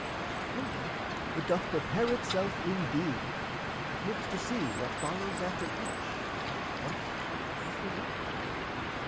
Further, it doth prepare itself indeed, And hopes to see what follows after each Hence this result.